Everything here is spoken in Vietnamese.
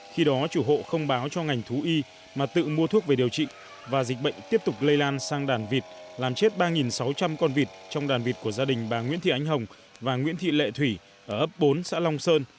khi đó chủ hộ không báo cho ngành thú y mà tự mua thuốc về điều trị và dịch bệnh tiếp tục lây lan sang đàn vịt làm chết ba sáu trăm linh con vịt trong đàn vịt của gia đình bà nguyễn thị ánh hồng và nguyễn thị lệ thủy ở ấp bốn xã long sơn